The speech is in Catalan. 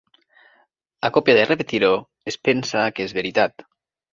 A còpia de repetir-ho es pensa que és veritat.